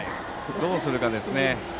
どうするかですね。